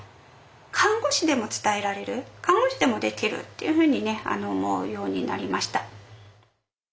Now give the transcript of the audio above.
看護師でも伝えられる看護師でもできるっていうふうにね思うようになりました。